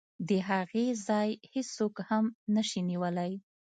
د هغې ځای هېڅوک هم نشي نیولی.